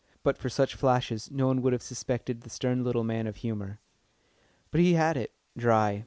But for such flashes no one would have suspected the stern little man of humour. But he had it dry.